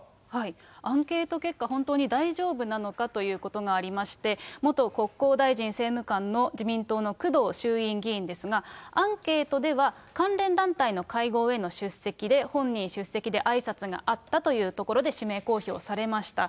アンケート結果、本当に大丈夫なのかということがありまして、元国交大臣政務官の自民党の工藤衆院議員ですが、アンケートでは関連団体の会合への出席で、本人出席であいさつがあったというところで氏名公表されました。